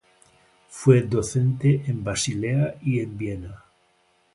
Fue docente en Basilea y en Viena.